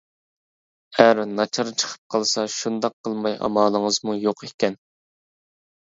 ئەر ناچار چىقىپ قالسا شۇنداق قىلماي ئامالىڭىزمۇ يوق ئىكەن.